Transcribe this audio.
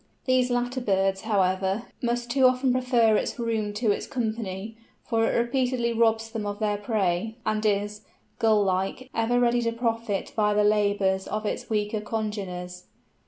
These latter birds, however, must too often prefer its room to its company, for it repeatedly robs them of their prey, and is, Gull like, ever ready to profit by the labours of its weaker congeners.